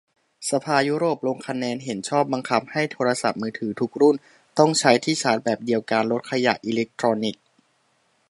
สภายุโรปลงคะแนนเห็นชอบ บังคับให้โทรศัพท์มือถือทุกรุ่นต้องใช้ที่ชาร์จแบบเดียวกัน ลดขยะอิเล็กทรอนิกส์